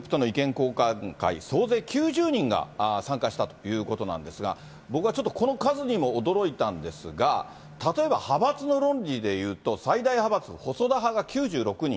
交換会、総勢９０人が参加したということなんですが、僕はちょっとこの数にも驚いたんですが、例えば派閥の論理でいうと最大派閥の細田派が９６人。